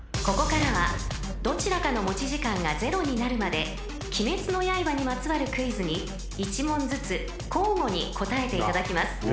［ここからはどちらかの持ち時間がゼロになるまで『鬼滅の刃』にまつわるクイズに１問ずつ交互に答えていただきます］